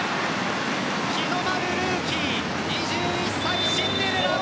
日の丸ルーキー２１歳、シンデレラ。